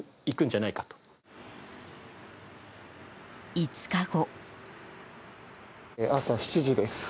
５日後。